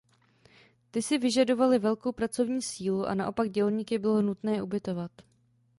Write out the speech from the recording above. Ty si vyžadovaly velkou pracovní sílu a naopak dělníky bylo nutné ubytovat.